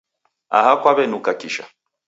Aha kwaw'enuka kisha